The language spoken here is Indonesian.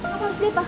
apa harusnya pak